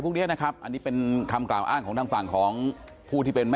พวกเนี้ยนะครับอันนี้เป็นคำกราบอ้านป